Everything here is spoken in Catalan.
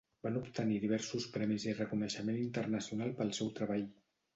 Van obtenir diversos premis i reconeixement internacional pel seu treball.